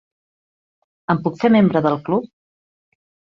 Em puc fer membre del club?